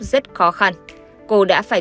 rất khó khăn cô đã phải